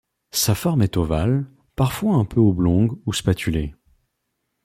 Sa forme est ovale, parfois un peu oblongue ou spatulée.